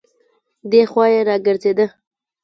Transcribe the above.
دی خوا يې راګرځېده.